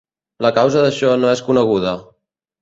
La causa d'això no és coneguda.